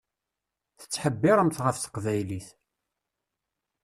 Tettḥebbiṛemt ɣef teqbaylit.